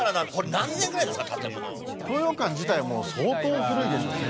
東洋館自体はもう相当古いでしょうね。